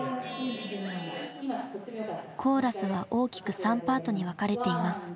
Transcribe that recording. コーラスは大きく３パートに分かれています。